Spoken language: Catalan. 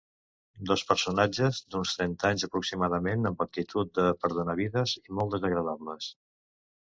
Dos personatges, d’uns trenta anys aproximadament, amb actitud de perdonavides i molt desagradables.